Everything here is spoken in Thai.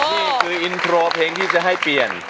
นี่คืออินโทรเพลงที่จะให้เปลี่ยน